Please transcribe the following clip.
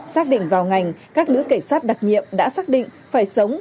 xác định vào ngành các nữ cảnh sát đặc nhiệm đã xác định phải sống